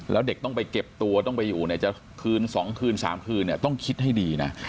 แล้วเด็กต้องไปเก็บตัวต้องไปอยู่เนี่ยจะคืน๒คืน๓คืนเนี่ยต้องคิดให้ดีนะ